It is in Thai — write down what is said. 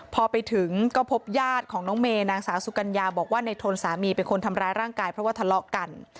พอไปถึงก็พบญาติของน้องเมนางสาวสุกัญญาบอกว่าในทนสามีเป็นคนทำร้ายร่างกายเพราะว่าทะเลาะกัน